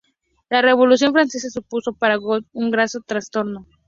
La Revolución francesa supuso para Goethe un gran trastorno.